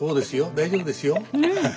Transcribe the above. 大丈夫ですよ。